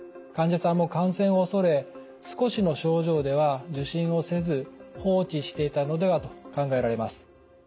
患者さんも感染を恐れ少しの症状では受診をせず放置していたのではと考えられます。